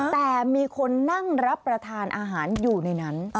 แต่มีคนนั่งรับประทานอาหารอยู่ในนั้น